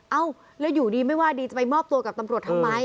เอ้าแล้วอยู่ดีไม่ว่าดีจะไปมอบตัวกับตำรวจทำไม